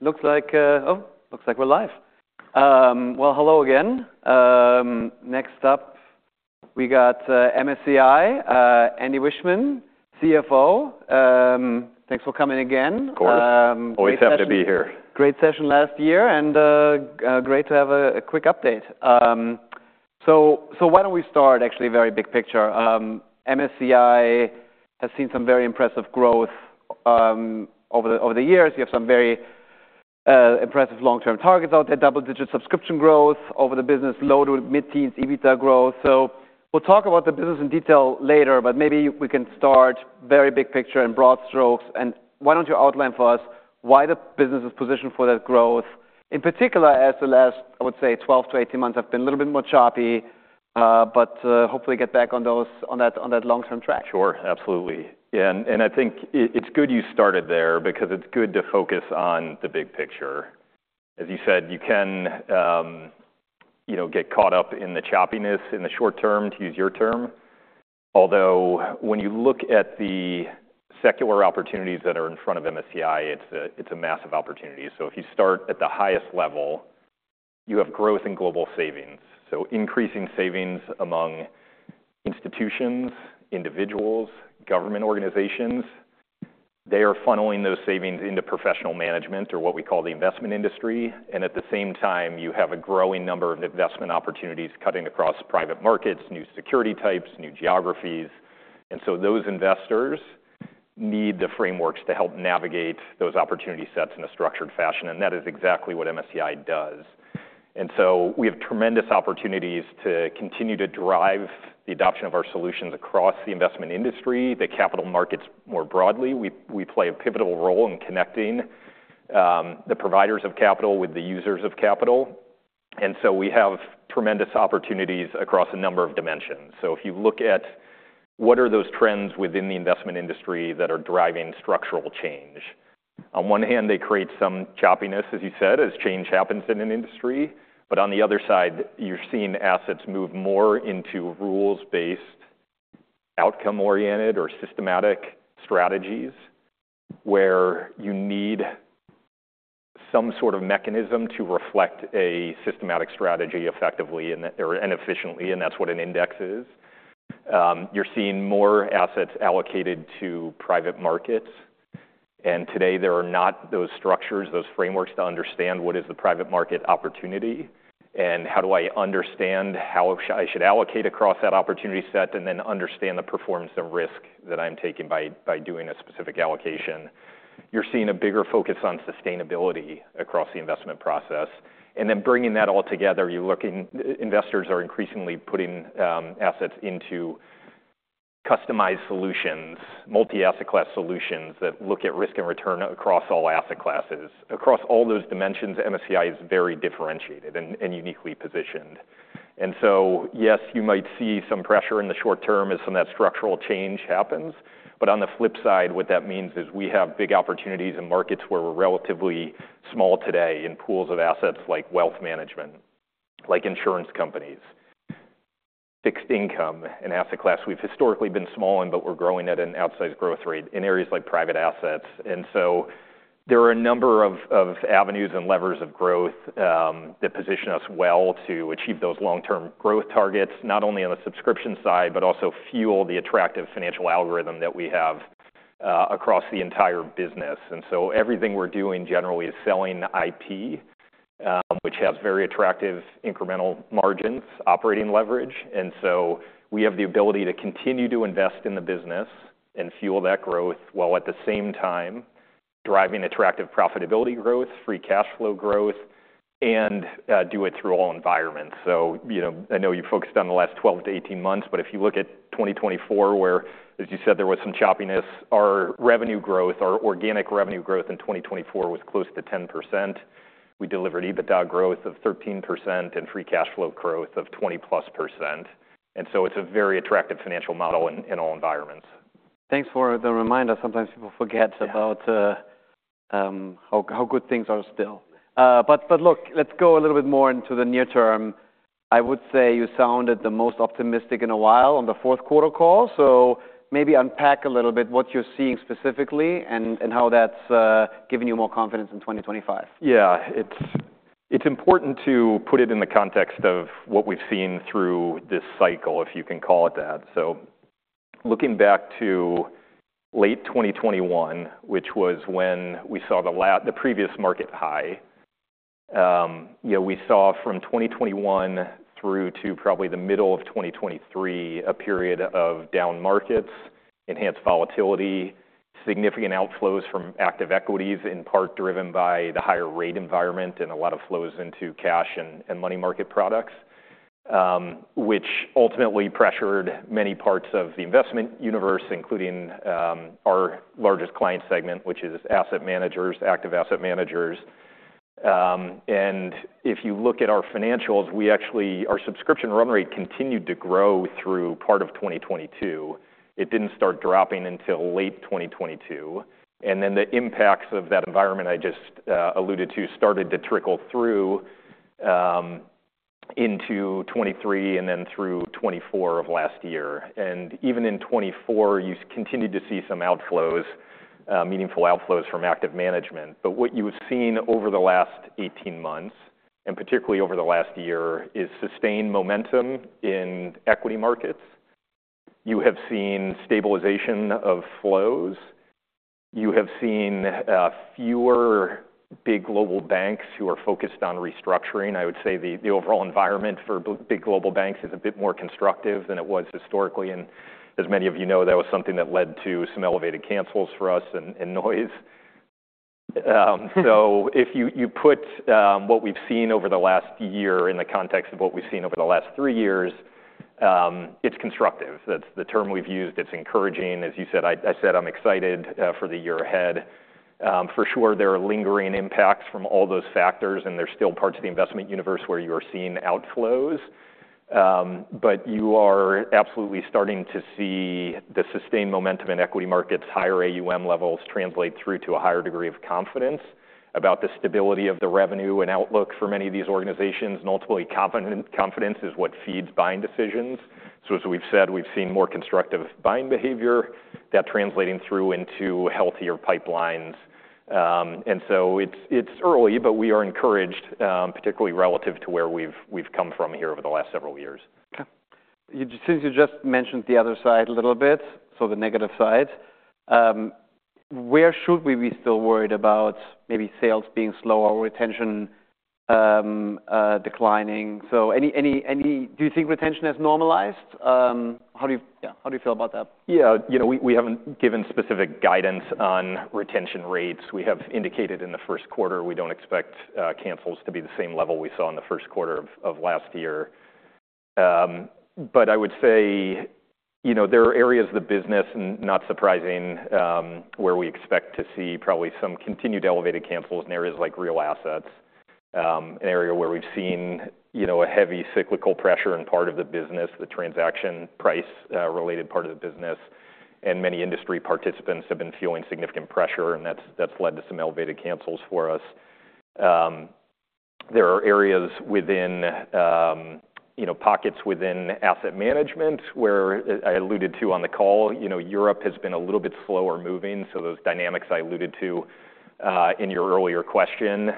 Hi. Looks like we're live. Well, hello again. Next up, we got MSCI, Andy Wiechmann, CFO. Thanks for coming again. Of course. Always happy to be here. Great session last year, and great to have a quick update. So why don't we start, actually, very big picture? MSCI has seen some very impressive growth over the years. You have some very impressive long-term targets out there, double-digit subscription growth over the business, low- to mid-teens EBITDA growth. So we'll talk about the business in detail later, but maybe we can start very big picture in broad strokes. And why don't you outline for us why the business is positioned for that growth? In particular, as the last, I would say, 12-18 months have been a little bit more choppy, but hopefully get back on that long-term track. Sure. Absolutely. Yeah. And, and I think it's good you started there because it's good to focus on the big picture. As you said, you can, you know, get caught up in the choppiness in the short term, to use your term. Although when you look at the secular opportunities that are in front of MSCI, it's a, it's a massive opportunity. So if you start at the highest level, you have growth in global savings. So increasing savings among institutions, individuals, government organizations. They are funneling those savings into professional management or what we call the investment industry. And at the same time, you have a growing number of investment opportunities cutting across private markets, new security types, new geographies. And so those investors need the frameworks to help navigate those opportunity sets in a structured fashion. And that is exactly what MSCI does. And so we have tremendous opportunities to continue to drive the adoption of our solutions across the investment industry, the capital markets more broadly. We, we play a pivotal role in connecting the providers of capital with the users of capital. And so we have tremendous opportunities across a number of dimensions. So if you look at what are those trends within the investment industry that are driving structural change? On one hand, they create some choppiness, as you said, as change happens in an industry. But on the other side, you're seeing assets move more into rules-based, outcome-oriented, or systematic strategies where you need some sort of mechanism to reflect a systematic strategy effectively and, or, and efficiently. And that's what an Index is. You're seeing more assets allocated to private markets. And today, there are not those structures, those frameworks to understand what is the private market opportunity and how do I understand how I should allocate across that opportunity set and then understand the performance and risk that I'm taking by doing a specific allocation. You're seeing a bigger focus on sustainability across the investment process. And then bringing that all together, you're looking. Investors are increasingly putting assets into customized solutions, multi-asset class solutions that look at risk and return across all asset classes. Across all those dimensions, MSCI is very differentiated and uniquely positioned. And so, yes, you might see some pressure in the short term as some of that structural change happens. But on the flip side, what that means is we have big opportunities in markets where we're relatively small today in pools of assets like wealth management, like insurance companies, fixed income, an asset class we've historically been small in, but we're growing at an outsized growth rate in areas like private assets. And so there are a number of avenues and levers of growth that position us well to achieve those long-term growth targets, not only on the subscription side, but also fuel the attractive financial algorithm that we have across the entire business. And so everything we're doing generally is selling IP, which has very attractive incremental margins, operating leverage. And so we have the ability to continue to invest in the business and fuel that growth while at the same time driving attractive profitability growth, free cash flow growth, and do it through all environments. You know, I know you focused on the last 12-18 months, but if you look at 2024, where, as you said, there was some choppiness. Our revenue growth, our organic revenue growth in 2024 was close to 10%. We delivered EBITDA growth of 13% and free cash flow growth of 20-plus%. And so it's a very attractive financial model in all environments. Thanks for the reminder. Sometimes people forget about how good things are still. But look, let's go a little bit more into the near term. I would say you sounded the most optimistic in a while on the fourth quarter call, so maybe unpack a little bit what you're seeing specifically and how that's given you more confidence in 2025. Yeah. It's important to put it in the context of what we've seen through this cycle, if you can call it that. So looking back to late 2021, which was when we saw the previous market high, you know, we saw from 2021 through to probably the middle of 2023, a period of down markets, enhanced volatility, significant outflows from active equities, in part driven by the higher rate environment and a lot of flows into cash and money market products, which ultimately pressured many parts of the investment universe, including our largest client segment, which is asset managers, active asset managers, and if you look at our financials, we actually our subscription run rate continued to grow through part of 2022. It didn't start dropping until late 2022. And then the impacts of that environment I just alluded to started to trickle through into 2023 and then through 2024 of last year. And even in 2024, you continued to see some outflows, meaningful outflows from active management. But what you've seen over the last 18 months, and particularly over the last year, is sustained momentum in equity markets. You have seen stabilization of flows. You have seen fewer big global banks who are focused on restructuring. I would say the overall environment for big global banks is a bit more constructive than it was historically. And as many of you know, that was something that led to some elevated cancels for us and noise. So if you put what we've seen over the last year in the context of what we've seen over the last three years, it's constructive. That's the term we've used. It's encouraging. As you said, I said I'm excited for the year ahead. For sure, there are lingering impacts from all those factors, and there's still parts of the investment universe where you are seeing outflows, but you are absolutely starting to see the sustained momentum in equity markets. Higher AUM levels translate through to a higher degree of confidence about the stability of the revenue and outlook for many of these organizations, and ultimately, confidence is what feeds buying decisions, so as we've said, we've seen more constructive buying behavior that translating through into healthier pipelines, and so it's early, but we are encouraged, particularly relative to where we've come from here over the last several years. Okay. You just, since you just mentioned the other side a little bit, so the negative side, where should we be still worried about maybe sales being slow or retention declining? So any do you think retention has normalized? How do you, yeah, how do you feel about that? Yeah. You know, we haven't given specific guidance on retention rates. We have indicated in the first quarter, we don't expect cancels to be the same level we saw in the first quarter of last year, but I would say, you know, there are areas of the business, and not surprisingly, where we expect to see probably some continued elevated cancels in areas like real assets, an area where we've seen, you know, a heavy cyclical pressure in part of the business, the transaction price-related part of the business. And many industry participants have been feeling significant pressure, and that's led to some elevated cancels for us. There are areas within, you know, pockets within asset management where, I alluded to on the call, you know, Europe has been a little bit slower moving. So those dynamics I alluded to, in your earlier question,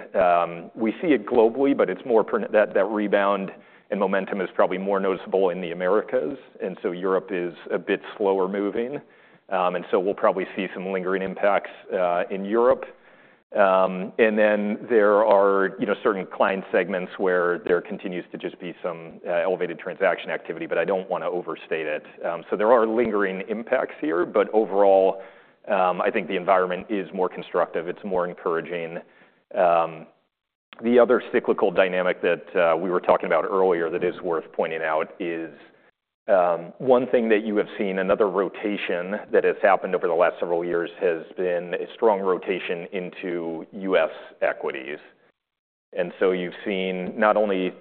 we see it globally, but it's more pronounced, that rebound and momentum is probably more noticeable in the Americas, and so Europe is a bit slower moving, and so we'll probably see some lingering impacts in Europe, and then there are, you know, certain client segments where there continues to just be some elevated transaction activity, but I don't want to overstate it. So there are lingering impacts here, but overall, I think the environment is more constructive. It's more encouraging. The other cyclical dynamic that we were talking about earlier that is worth pointing out is one thing that you have seen. Another rotation that has happened over the last several years has been a strong rotation into U.S. equities. And so you've seen not only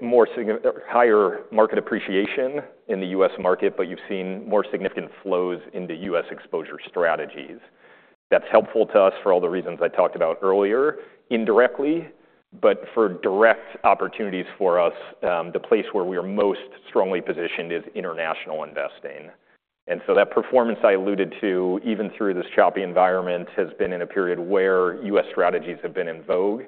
more significant or higher market appreciation in the U.S. market, but you've seen more significant flows into U.S. exposure strategies. That's helpful to us for all the reasons I talked about earlier, indirectly, but for direct opportunities for us, the place where we are most strongly positioned is international investing. And so that performance I alluded to, even through this choppy environment, has been in a period where U.S. strategies have been in vogue.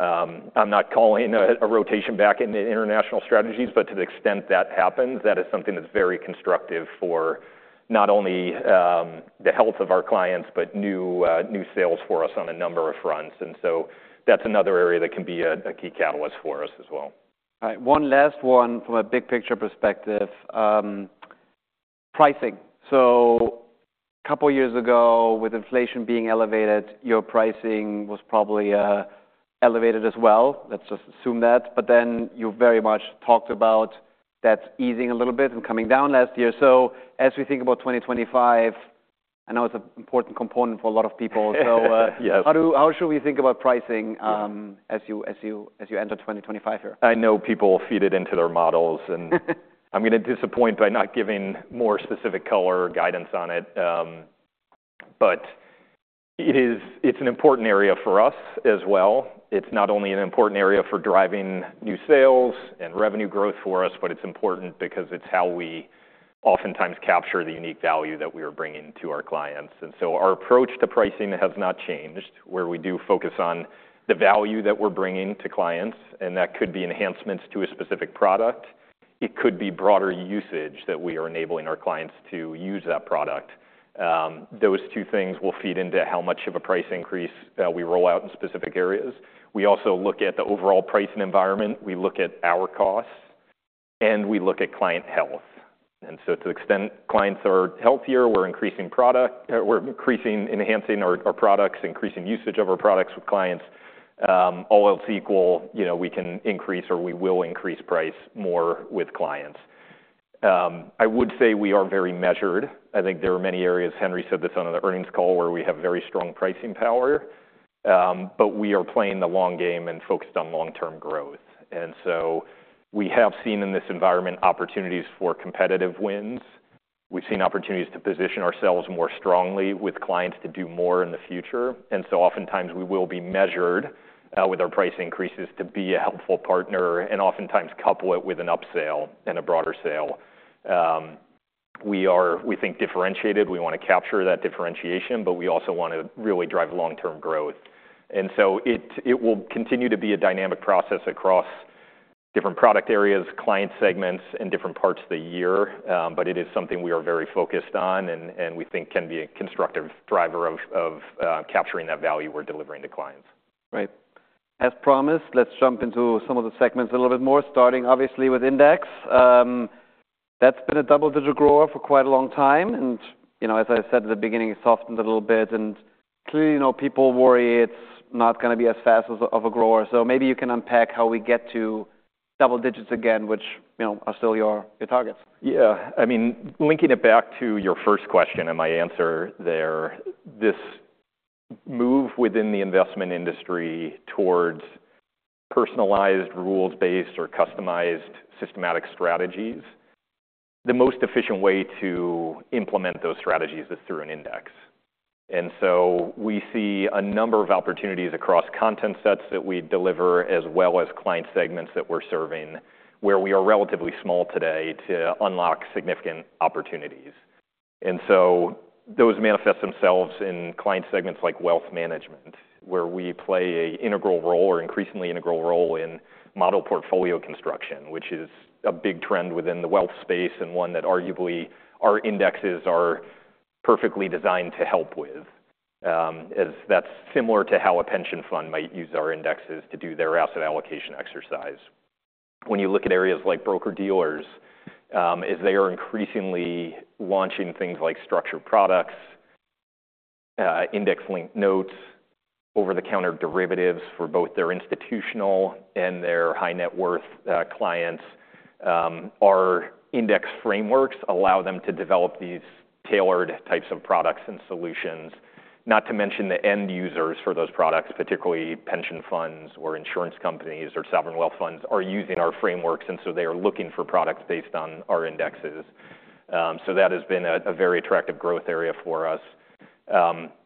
I'm not calling a rotation back into international strategies, but to the extent that happens, that is something that's very constructive for not only the health of our clients, but new sales for us on a number of fronts. And so that's another area that can be a key catalyst for us as well. All right. One last one from a big picture perspective, pricing. So a couple of years ago, with inflation being elevated, your pricing was probably elevated as well. Let's just assume that. But then you very much talked about that easing a little bit and coming down last year. So as we think about 2025, I know it's an important component for a lot of people. So, Yes. How should we think about pricing, as you enter 2025 here? I know people feed it into their models, and I'm going to disappoint by not giving more specific color or guidance on it. But it is, it's an important area for us as well. It's not only an important area for driving new sales and revenue growth for us, but it's important because it's how we oftentimes capture the unique value that we are bringing to our clients. And so our approach to pricing has not changed, where we do focus on the value that we're bringing to clients, and that could be enhancements to a specific product. It could be broader usage that we are enabling our clients to use that product. Those two things will feed into how much of a price increase we roll out in specific areas. We also look at the overall pricing environment. We look at our costs, and we look at client health. And so to the extent clients are healthier, we're increasing product, we're increasing, enhancing our products, increasing usage of our products with clients. All else equal, you know, we can increase or we will increase price more with clients. I would say we are very measured. I think there are many areas, Henry said this on the earnings call, where we have very strong pricing power. But we are playing the long game and focused on long-term growth. And so we have seen in this environment opportunities for competitive wins. We've seen opportunities to position ourselves more strongly with clients to do more in the future. And so oftentimes we will be measured with our price increases to be a helpful partner and oftentimes couple it with an upsale and a broader sale. We are, we think, differentiated. We want to capture that differentiation, but we also want to really drive long-term growth. And so it will continue to be a dynamic process across different product areas, client segments, and different parts of the year. But it is something we are very focused on and we think can be a constructive driver of capturing that value we're delivering to clients. Right. As promised, let's jump into some of the segments a little bit more, starting obviously with Index. That's been a double-digit grower for quite a long time, and you know, as I said at the beginning, it softened a little bit. And clearly, you know, people worry it's not going to be as fast of a grower, so maybe you can unpack how we get to double digits again, which, you know, are still your targets. Yeah. I mean, linking it back to your first question and my answer there, this move within the investment industry towards personalized, rules-based, or customized systematic strategies, the most efficient way to implement those strategies is through an Index. And so we see a number of opportunities across content sets that we deliver, as well as client segments that we're serving, where we are relatively small today to unlock significant opportunities. And so those manifest themselves in client segments like wealth management, where we play an integral role or increasingly integral role in model portfolio construction, which is a big trend within the wealth space and one that arguably our Indexes are perfectly designed to help with, as that's similar to how a pension fund might use our Indexes to do their asset allocation exercise. When you look at areas like broker-dealers, as they are increasingly launching things like structured products, Index-linked notes, over-the-counter derivatives for both their institutional and their high-net-worth clients, our Index frameworks allow them to develop these tailored types of products and solutions. Not to mention the end users for those products, particularly pension funds or insurance companies or sovereign wealth funds, are using our frameworks, and so they are looking for products based on our Indexes, so that has been a very attractive growth area for us.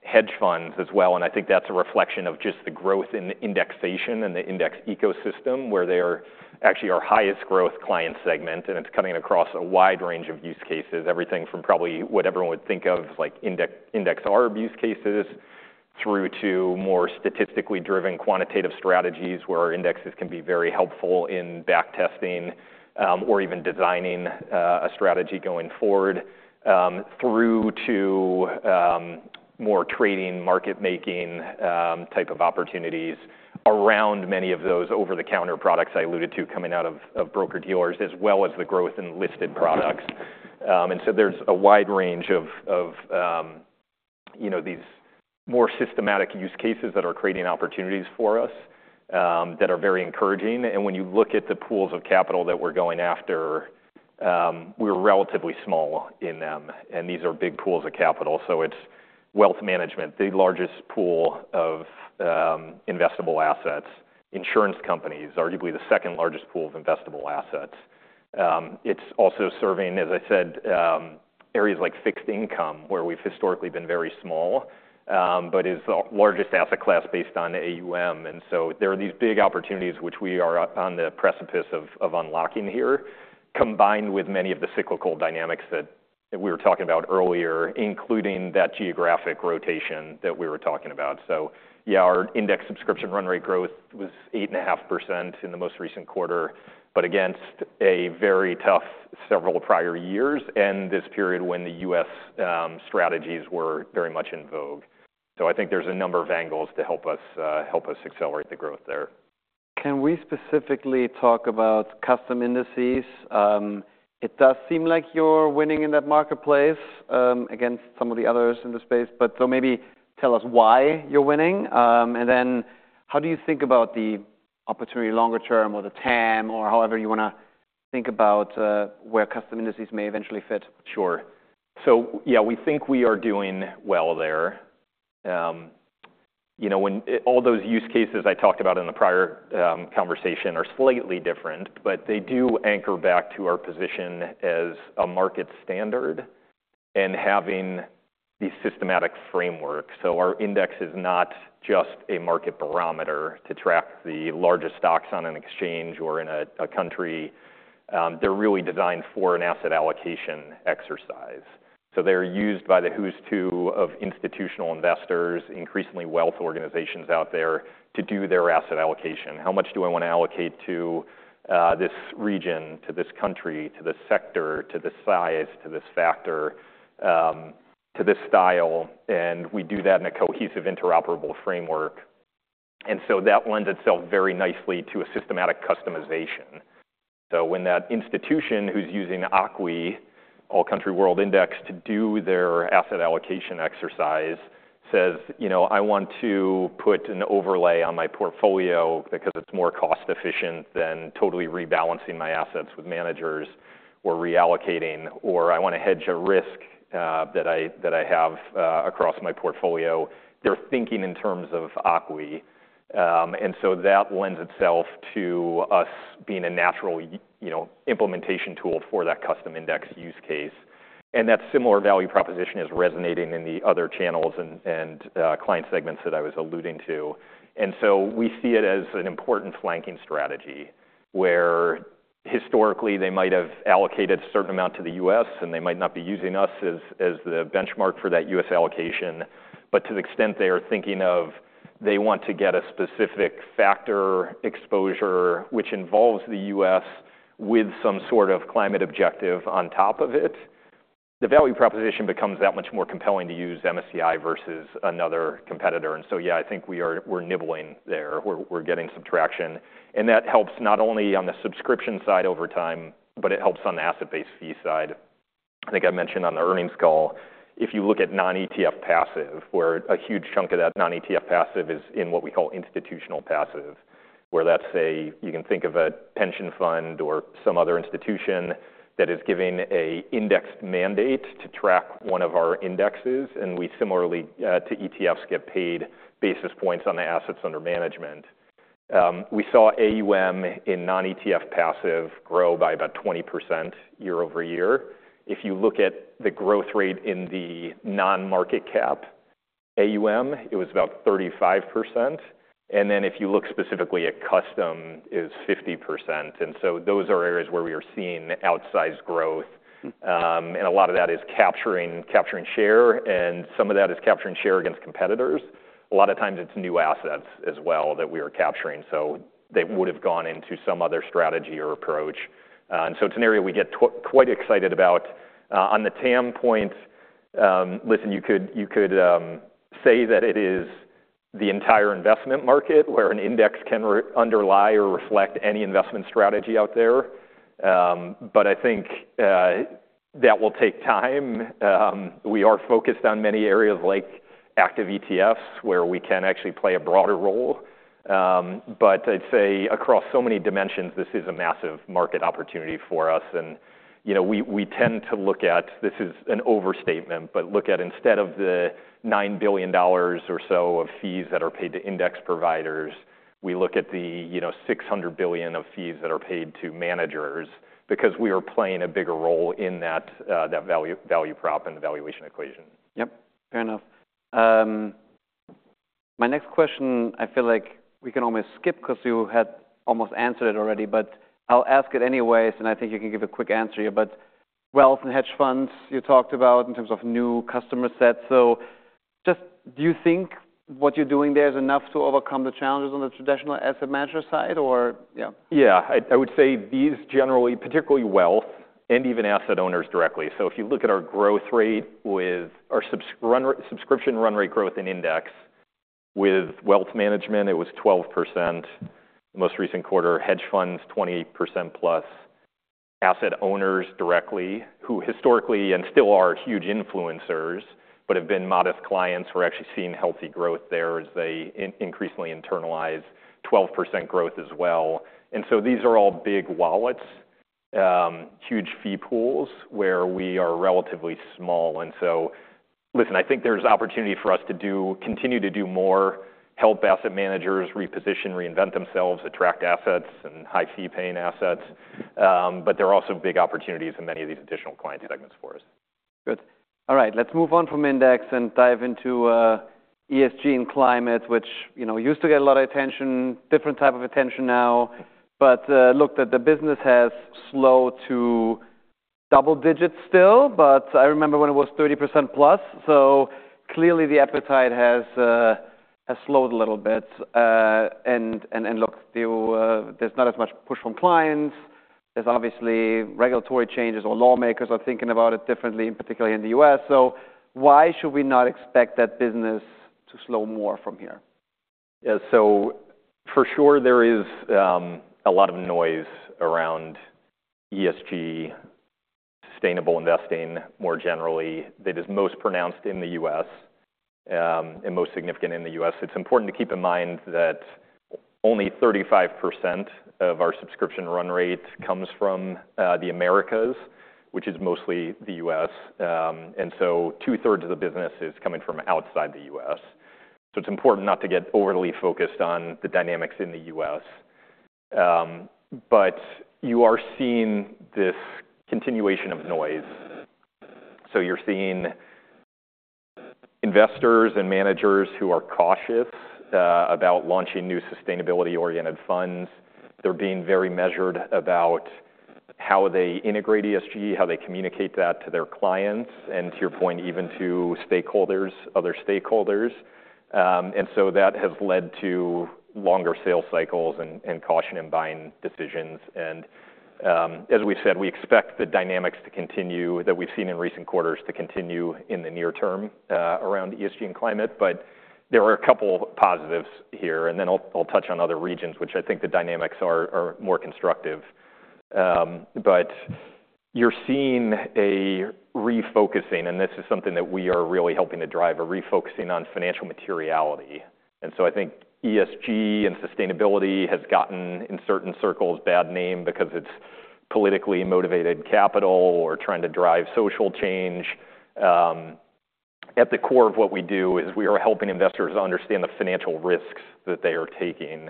Hedge funds as well. I think that's a reflection of just the growth in the Indexation and the Index ecosystem, where they are actually our highest-growth client segment, and it's cutting across a wide range of use cases, everything from probably what everyone would think of as like Index-linked use cases through to more statistically driven quantitative strategies, where our Indexes can be very helpful in backtesting or even designing a strategy going forward, through to more trading market-making type of opportunities around many of those over-the-counter products I alluded to coming out of broker-dealers, as well as the growth in listed products, and so there's a wide range of you know these more systematic use cases that are creating opportunities for us that are very encouraging. When you look at the pools of capital that we're going after, we're relatively small in them, and these are big pools of capital. So it's wealth management, the largest pool of investable assets, insurance companies, arguably the second largest pool of investable assets. It's also serving, as I said, areas like fixed income, where we've historically been very small, but is the largest asset class based on AUM. And so there are these big opportunities, which we are on the precipice of unlocking here, combined with many of the cyclical dynamics that we were talking about earlier, including that geographic rotation that we were talking about. So, yeah, our Index subscription run rate growth was 8.5% in the most recent quarter, but against a very tough several prior years and this period when the U.S. strategies were very much in vogue. I think there's a number of angles to help us accelerate the growth there. Can we specifically talk about custom indices? It does seem like you're winning in that marketplace, against some of the others in the space, but so maybe tell us why you're winning, and then how do you think about the opportunity longer term or the TAM or however you want to think about, where custom indices may eventually fit? Sure, so yeah, we think we are doing well there. You know, when all those use cases I talked about in the prior conversation are slightly different, but they do anchor back to our position as a market standard and having the systematic framework. Our Index is not just a market barometer to track the largest stocks on an exchange or in a country. They're really designed for an asset allocation exercise. They're used by the who's who of institutional investors, increasingly wealth organizations out there to do their asset allocation. How much do I want to allocate to this region, to this country, to this sector, to this size, to this factor, to this style? We do that in a cohesive interoperable framework. That lends itself very nicely to a systematic customization. So when that institution who's using the ACWI, All Country World Index, to do their asset allocation exercise says, you know, I want to put an overlay on my portfolio because it's more cost-efficient than totally rebalancing my assets with managers or reallocating, or I want to hedge a risk that I have across my portfolio, they're thinking in terms of ACWI, and so that lends itself to us being a natural, you know, implementation tool for that custom Index use case, and that similar value proposition is resonating in the other channels and client segments that I was alluding to, and so we see it as an important flanking strategy where historically they might have allocated a certain amount to the U.S., and they might not be using us as the benchmark for that U.S. allocation. But to the extent they are thinking of, they want to get a specific factor exposure, which involves the U.S. with some sort of climate objective on top of it, the value proposition becomes that much more compelling to use MSCI versus another competitor. And so, yeah, I think we are, we're nibbling there. We're, we're getting some traction. And that helps not only on the subscription side over time, but it helps on the asset-based fee side. I think I mentioned on the earnings call, if you look at non-ETF passive, where a huge chunk of that non-ETF passive is in what we call institutional passive, where that's, say, you can think of a pension fund or some other institution that is giving an Indexed mandate to track one of our Indexes. And we similarly, to ETFs, get paid basis points on the assets under management. We saw AUM in non-ETF passive grow by about 20% year over year. If you look at the growth rate in the non-market cap, AUM, it was about 35%. And then if you look specifically at custom, it is 50%. And so those are areas where we are seeing outsized growth. And a lot of that is capturing, capturing share, and some of that is capturing share against competitors. A lot of times it's new assets as well that we are capturing, so they would have gone into some other strategy or approach. And so it's an area we get quite excited about. On the TAM point, listen, you could, you could, say that it is the entire investment market where an Index can underlie or reflect any investment strategy out there. But I think, that will take time. We are focused on many areas like active ETFs, where we can actually play a broader role. But I'd say across so many dimensions, this is a massive market opportunity for us. And, you know, we tend to look at, this is an overstatement, but look at instead of the $9 billion or so of fees that are paid to Index providers, we look at the, you know, $600 billion of fees that are paid to managers because we are playing a bigger role in that value prop and the valuation equation. Yep. Fair enough. My next question, I feel like we can almost skip because you had almost answered it already, but I'll ask it anyways, and I think you can give a quick answer here. But wealth and hedge funds you talked about in terms of new customer sets. So just do you think what you're doing there is enough to overcome the challenges on the traditional asset manager side, or yeah? Yeah. I would say these generally, particularly wealth and even asset owners directly. So if you look at our growth rate with our subscription run rate growth and Index with wealth management, it was 12% the most recent quarter. Hedge funds, 28% plus asset owners directly who historically and still are huge influencers but have been modest clients who are actually seeing healthy growth there as they increasingly internalize 12% growth as well, and so these are all big wallets, huge fee pools where we are relatively small. And so, listen, I think there's opportunity for us to do, continue to do more, help asset managers reposition, reinvent themselves, attract assets and high-fee paying assets. But there are also big opportunities in many of these additional client segments for us. Good. All right. Let's move on from Index and dive into ESG and Climate, which, you know, used to get a lot of attention, different type of attention now, but look at the business has slowed to double digits still, but I remember when it was 30% plus. So clearly the appetite has slowed a little bit. And look, there's not as much push from clients. There's obviously regulatory changes or lawmakers are thinking about it differently, particularly in the US. So why should we not expect that business to slow more from here? Yeah. So for sure there is a lot of noise around ESG, sustainable investing more generally that is most pronounced in the US, and most significant in the US. It's important to keep in mind that only 35% of our subscription run rate comes from the Americas, which is mostly the US. And so two-thirds of the business is coming from outside the US. So it's important not to get overly focused on the dynamics in the US. But you are seeing this continuation of noise. So you're seeing investors and managers who are cautious about launching new sustainability-oriented funds. They're being very measured about how they integrate ESG, how they communicate that to their clients, and to your point, even to stakeholders, other stakeholders. And so that has led to longer sales cycles and caution in buying decisions. As we've said, we expect the dynamics to continue that we've seen in recent quarters to continue in the near term, around ESG and Climate. There are a couple of positives here, and then I'll, I'll touch on other regions, which I think the dynamics are more constructive. You're seeing a refocusing, and this is something that we are really helping to drive, a refocusing on financial materiality. So I think ESG and sustainability has gotten in certain circles a bad name because it's politically motivated capital or trying to drive social change. At the core of what we do is we are helping investors understand the financial risks that they are taking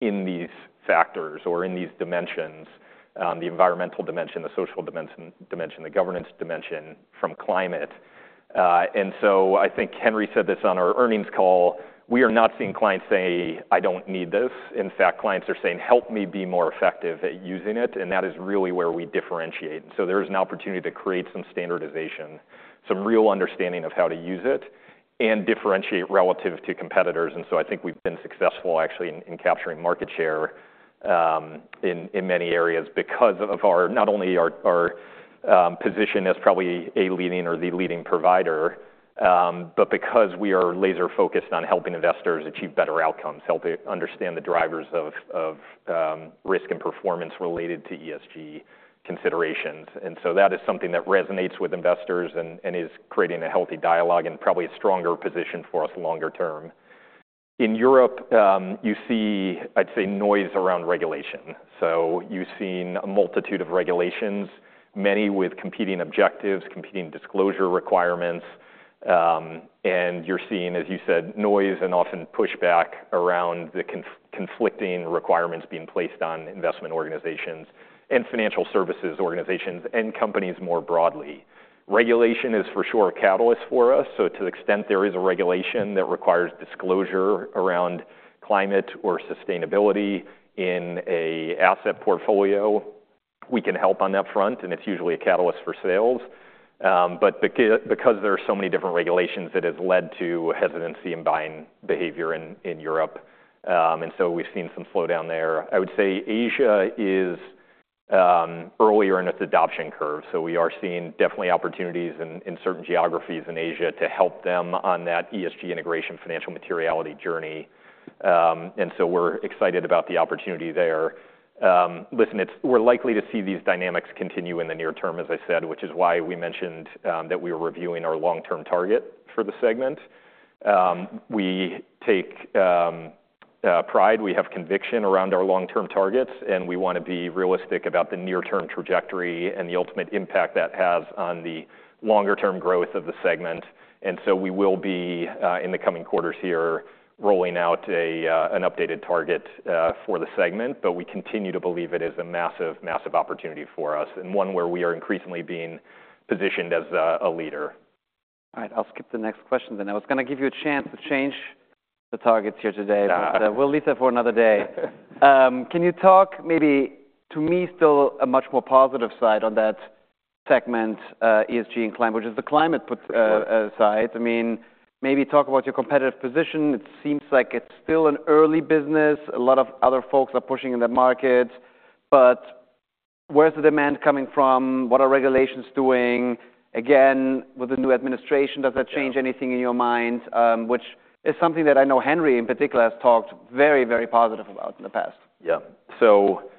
in these factors or in these dimensions, the environmental dimension, the social dimension, the governance dimension from climate. So I think Henry said this on our earnings call. We are not seeing clients say, "I don't need this." In fact, clients are saying, "Help me be more effective at using it." And that is really where we differentiate. And so there is an opportunity to create some standardization, some real understanding of how to use it and differentiate relative to competitors. And so I think we've been successful actually in capturing market share in many areas because of our, not only our position as probably a leading or the leading provider, but because we are laser-focused on helping investors achieve better outcomes, helping understand the drivers of risk and performance related to ESG considerations. And so that is something that resonates with investors and is creating a healthy dialogue and probably a stronger position for us longer term. In Europe, you see, I'd say, noise around regulation. So you've seen a multitude of regulations, many with competing objectives, competing disclosure requirements. And you're seeing, as you said, noise and often pushback around the conflicting requirements being placed on investment organizations and financial services organizations and companies more broadly. Regulation is for sure a catalyst for us. So to the extent there is a regulation that requires disclosure around climate or sustainability in an asset portfolio, we can help on that front, and it's usually a catalyst for sales. But because there are so many different regulations, it has led to hesitancy in buying behavior in Europe. And so we've seen some slowdown there. I would say Asia is earlier in its adoption curve. So we are seeing definitely opportunities in certain geographies in Asia to help them on that ESG integration financial materiality journey. And so we're excited about the opportunity there. Listen, it's, we're likely to see these dynamics continue in the near term, as I said, which is why we mentioned that we were reviewing our long-term target for the segment. We take pride. We have conviction around our long-term targets, and we want to be realistic about the near-term trajectory and the ultimate impact that has on the longer-term growth of the segment. So we will be, in the coming quarters here, rolling out an updated target for the segment, but we continue to believe it is a massive, massive opportunity for us and one where we are increasingly being positioned as a leader. All right. I'll skip the next question then. I was going to give you a chance to change the targets here today, but we'll leave that for another day. Can you talk maybe to me still a much more positive side on that segment, ESG and Climate, which is the climate product side? I mean, maybe talk about your competitive position. It seems like it's still an early business. A lot of other folks are pushing in the market, but where's the demand coming from? What are regulations doing? Again, with the new administration, does that change anything in your mind? Which is something that I know Henry in particular has talked very, very positive about in the past. Yeah. So,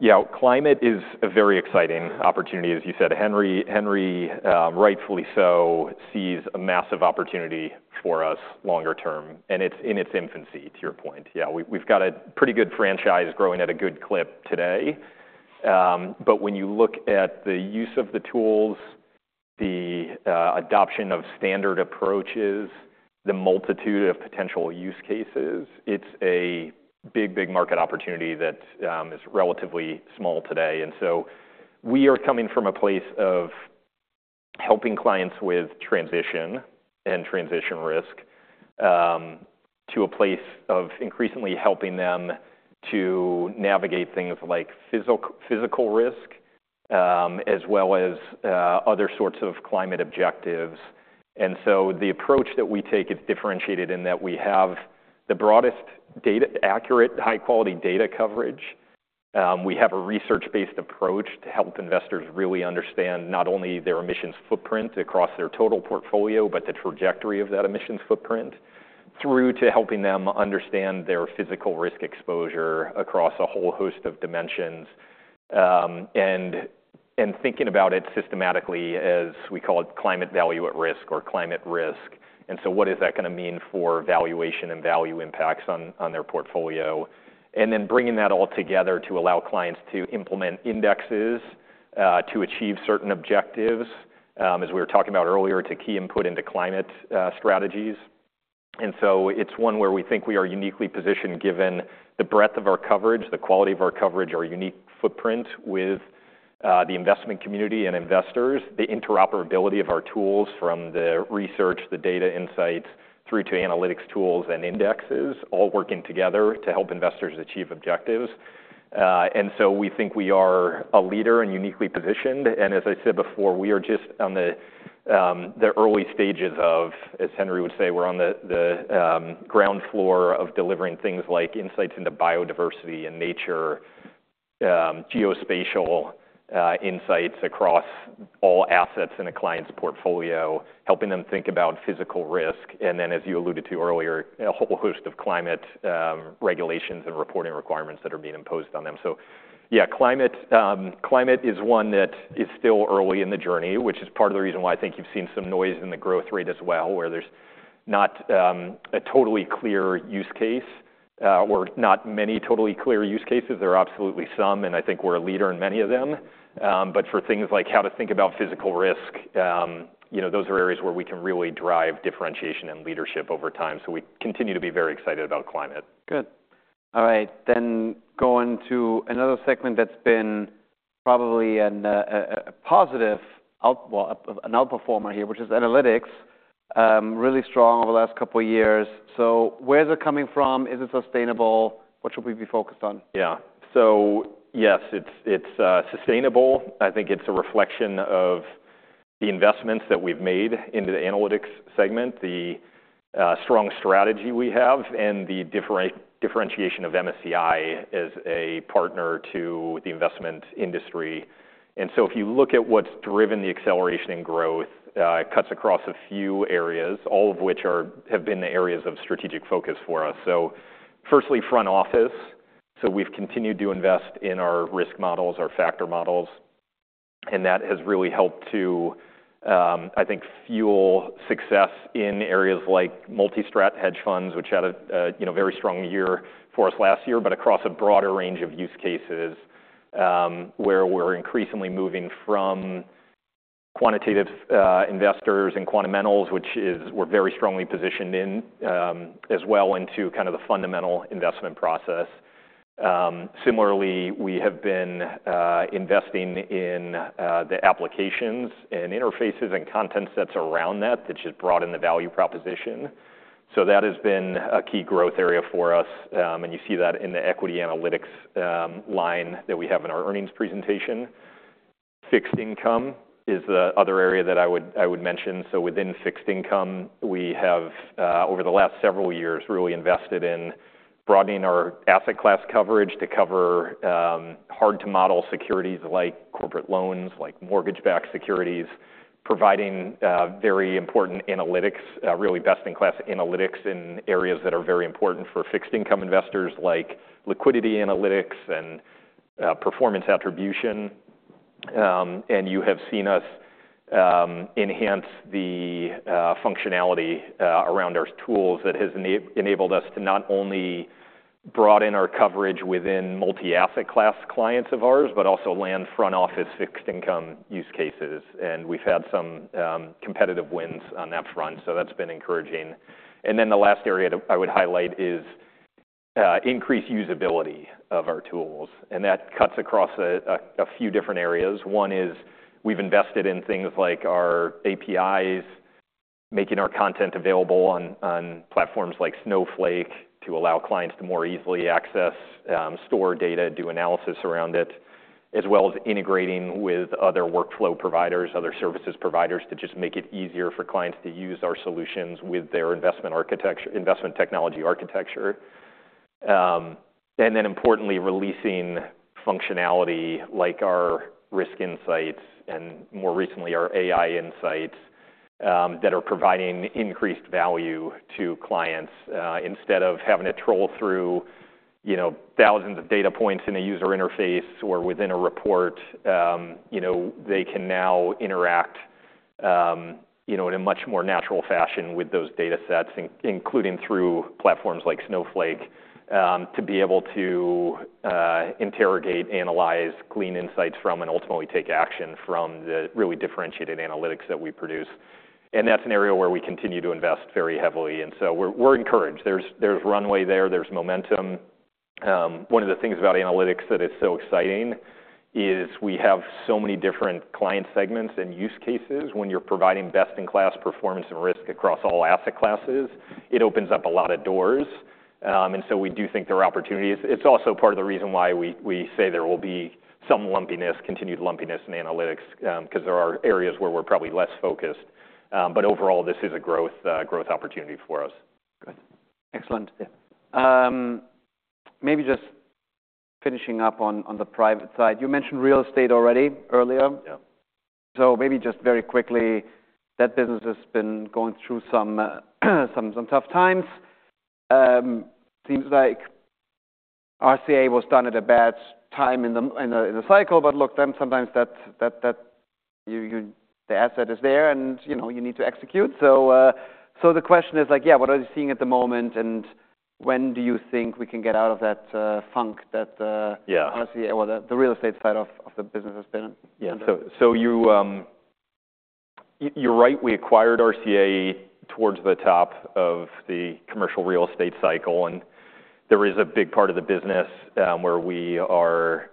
yeah, climate is a very exciting opportunity, as you said. Henry, Henry, rightfully so sees a massive opportunity for us longer term, and it's in its infancy to your point. Yeah. We, we've got a pretty good franchise growing at a good clip today. But when you look at the use of the tools, the adoption of standard approaches, the multitude of potential use cases, it's a big, big market opportunity that is relatively small today. And so we are coming from a place of helping clients with transition and transition risk, to a place of increasingly helping them to navigate things like physical, physical risk, as well as other sorts of climate objectives. And so the approach that we take is differentiated in that we have the broadest data, accurate, high-quality data coverage. We have a research-based approach to help investors really understand not only their emissions footprint across their total portfolio, but the trajectory of that emissions footprint through to helping them understand their physical risk exposure across a whole host of dimensions, and thinking about it systematically as we call it Climate Value-at-Risk or climate risk, and so what is that going to mean for valuation and value impacts on their portfolio? And then bringing that all together to allow clients to implement Indexes, to achieve certain objectives, as we were talking about earlier, to key input into climate strategies. And so it's one where we think we are uniquely positioned given the breadth of our coverage, the quality of our coverage, our unique footprint with the investment community and investors, the interoperability of our tools from the research, the data insights through to Analytics tools and Indexes all working together to help investors achieve objectives. And so we think we are a leader and uniquely positioned. As I said before, we are just on the early stages of, as Henry would say, we're on the ground floor of delivering things like insights into biodiversity and nature, geospatial insights across all assets in a client's portfolio, helping them think about physical risk. And then, as you alluded to earlier, a whole host of climate regulations and reporting requirements that are being imposed on them. So yeah, climate, climate is one that is still early in the journey, which is part of the reason why I think you've seen some noise in the growth rate as well, where there's not a totally clear use case, or not many totally clear use cases. There are absolutely some, and I think we're a leader in many of them. But for things like how to think about physical risk, you know, those are areas where we can really drive differentiation and leadership over time. So we continue to be very excited about climate. Good. All right. Then going to another segment that's been probably an outperformer here, which is Analytics, really strong over the last couple of years. So where's it coming from? Is it sustainable? What should we be focused on? Yeah. So yes, it's sustainable. I think it's a reflection of the investments that we've made into the Analytics segment, the strong strategy we have, and the differentiation of MSCI as a partner to the investment industry. And so if you look at what's driven the acceleration in growth, it cuts across a few areas, all of which have been the areas of strategic focus for us. So firstly, front office. So we've continued to invest in our risk models, our factor models, and that has really helped to, I think, fuel success in areas like multi-strat hedge funds, which had, you know, very strong year for us last year, but across a broader range of use cases, where we're increasingly moving from quantitative investors and quantamentals, which we're very strongly positioned in, as well into kind of the fundamental investment process. Similarly, we have been investing in the applications and interfaces and content sets around that that just broaden the value proposition. So that has been a key growth area for us, and you see that in the equity Analytics line that we have in our earnings presentation. Fixed income is the other area that I would mention. So within fixed income, we have over the last several years really invested in broadening our asset class coverage to cover hard-to-model securities like corporate loans, like mortgage-backed securities, providing very important Analytics, really best-in-class Analytics in areas that are very important for fixed income investors, like liquidity Analytics and performance attribution. And you have seen us enhance the functionality around our tools that has enabled us to not only broaden our coverage within multi-asset class clients of ours, but also land front office fixed income use cases. We've had some competitive wins on that front. That's been encouraging. The last area that I would highlight is increased usability of our tools. That cuts across a few different areas. One is we've invested in things like our APIs, making our content available on platforms like Snowflake to allow clients to more easily access, store data, do analysis around it, as well as integrating with other workflow providers, other services providers to just make it easier for clients to use our solutions with their investment architecture, investment technology architecture. And then, importantly, releasing functionality like our Risk Insights and, more recently, our AI Insights, that are providing increased value to clients, instead of having to troll through, you know, thousands of data points in a user interface or within a report, you know, they can now interact, you know, in a much more natural fashion with those data sets, including through platforms like Snowflake, to be able to interrogate, analyze, glean insights from, and ultimately take action from the really differentiated Analytics that we produce. And that's an area where we continue to invest very heavily. And so we're encouraged. There's runway there. There's momentum. One of the things about Analytics that is so exciting is we have so many different client segments and use cases. When you're providing best-in-class performance and risk across all asset classes, it opens up a lot of doors. And so we do think there are opportunities. It's also part of the reason why we say there will be some lumpiness, continued lumpiness in Analytics, because there are areas where we're probably less focused. But overall, this is a growth opportunity for us. Good. Excellent. Maybe just finishing up on, on the private side. You mentioned real estate already earlier. Yeah. So maybe just very quickly, that business has been going through some tough times. Seems like RCA was done at a bad time in the cycle, but look, then sometimes that the asset is there and, you know, you need to execute. So the question is like, yeah, what are you seeing at the moment and when do you think we can get out of that funk that, Yeah. RCA, well, the real estate side of the business has been in. Yeah. So, so you, you're right. We acquired RCA towards the top of the commercial real estate cycle. And there is a big part of the business, where we are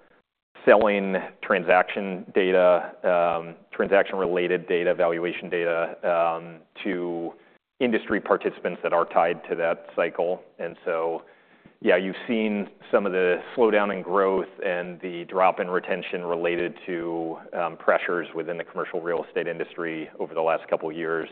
selling transaction data, transaction-related data, valuation data, to industry participants that are tied to that cycle. And so, yeah, you've seen some of the slowdown in growth and the drop in retention related to pressures within the commercial real estate industry over the last couple of years,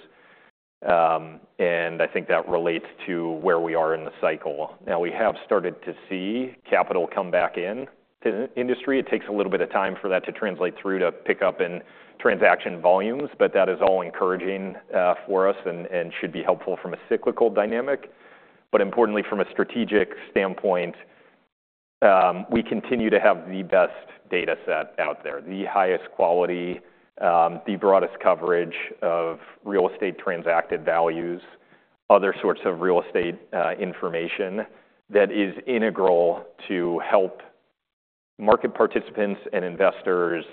and I think that relates to where we are in the cycle. Now, we have started to see capital come back in to the industry. It takes a little bit of time for that to translate through to pick up in transaction volumes, but that is all encouraging for us and should be helpful from a cyclical dynamic. But importantly, from a strategic standpoint, we continue to have the best data set out there, the highest quality, the broadest coverage of real estate transacted values, other sorts of real estate information that is integral to help market participants and investors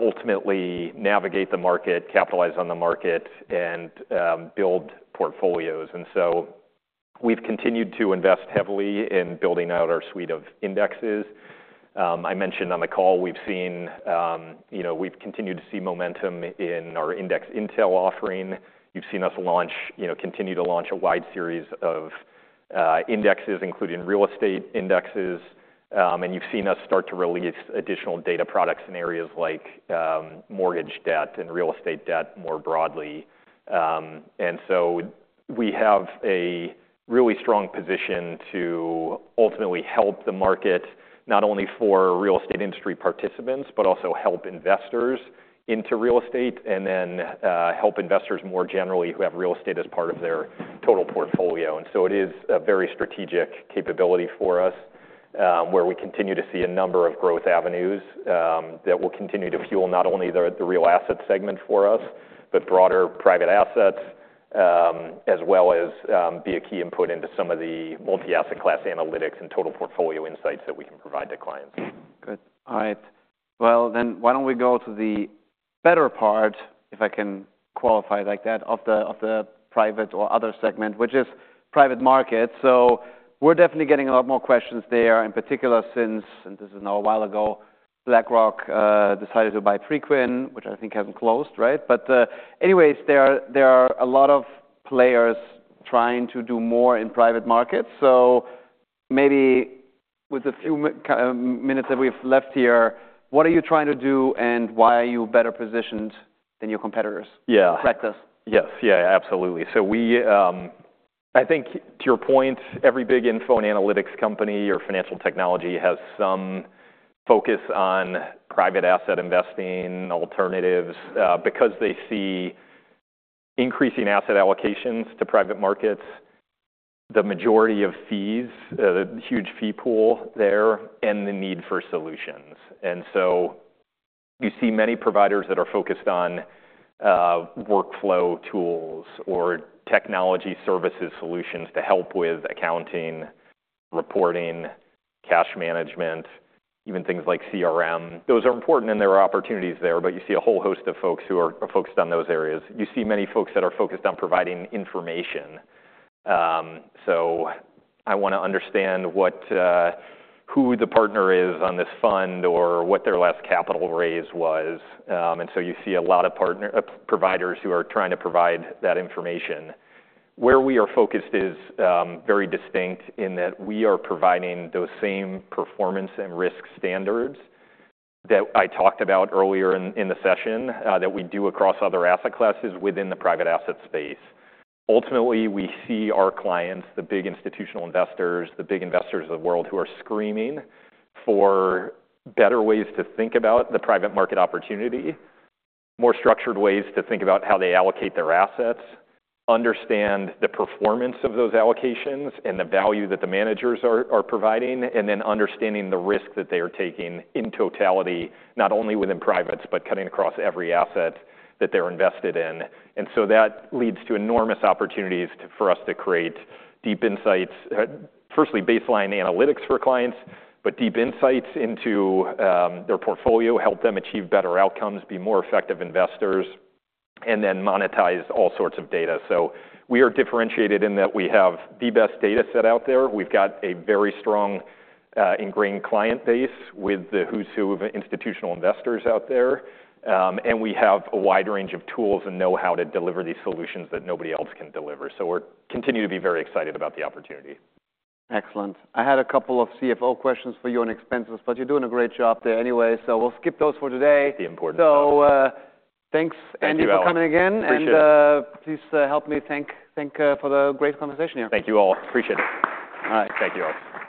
ultimately navigate the market, capitalize on the market, and build portfolios. And so we've continued to invest heavily in building out our suite of Indexes. I mentioned on the call, we've seen, you know, we've continued to see momentum in our Index Intel offering. You've seen us launch, you know, continue to launch a wide series of Indexes, including real estate Indexes. And you've seen us start to release additional data products in areas like mortgage debt and real estate debt more broadly. And so we have a really strong position to ultimately help the market, not only for real estate industry participants, but also help investors into real estate and then help investors more generally who have real estate as part of their total portfolio. And so it is a very strategic capability for us, where we continue to see a number of growth avenues that will continue to fuel not only the real asset segment for us, but broader private assets, as well as be a key input into some of the multi-asset class Analytics and total portfolio insights that we can provide to clients. Good. All right. Well, then why don't we go to the better part, if I can qualify it like that, of the, of the private or other segment, which is private markets. So we're definitely getting a lot more questions there, in particular since, and this is now a while ago, BlackRock decided to buy Preqin, which I think hasn't closed, right? But, anyways, there are, there are a lot of players trying to do more in private markets. So maybe with the few minutes that we've left here, what are you trying to do and why are you better positioned than your competitors? Yeah. Practice. Yes. Yeah, absolutely, so we, I think to your point, every big info and Analytics company or financial technology has some focus on private asset investing alternatives, because they see increasing asset allocations to private markets, the majority of fees, the huge fee pool there and the need for solutions, and so you see many providers that are focused on workflow tools or technology services solutions to help with accounting, reporting, cash management, even things like CRM. Those are important and there are opportunities there, but you see a whole host of folks who are focused on those areas. You see many folks that are focused on providing information, so I want to understand what, who the partner is on this fund or what their last capital raise was, and so you see a lot of partner providers who are trying to provide that information. Where we are focused is, very distinct in that we are providing those same performance and risk standards that I talked about earlier in the session, that we do across other asset classes within the private asset space. Ultimately, we see our clients, the big institutional investors, the big investors of the world who are screaming for better ways to think about the private market opportunity, more structured ways to think about how they allocate their assets, understand the performance of those allocations and the value that the managers are providing, and then understanding the risk that they are taking in totality, not only within privates, but cutting across every asset that they're invested in. And so that leads to enormous opportunities for us to create deep insights, firstly baseline Analytics for clients, but deep insights into their portfolio, help them achieve better outcomes, be more effective investors, and then monetize all sorts of data. So we are differentiated in that we have the best data set out there. We've got a very strong, ingrained client base with the who's who of institutional investors out there. And we have a wide range of tools and know-how to deliver these solutions that nobody else can deliver. So we're continuing to be very excited about the opportunity. Excellent. I had a couple of CFO questions for you on expenses, but you're doing a great job there anyway, so we'll skip those for today. The important stuff. So, thanks, Andy, for coming again. Thank you. Please help me thank for the great conversation here. Thank you all. Appreciate it. All right. Thank you all.